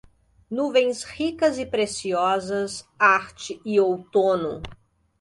Nuvens ricas e preciosas, arte e outono